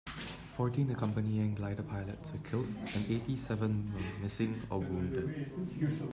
Fourteen accompanying glider pilots were killed, and eighty-seven were missing or wounded.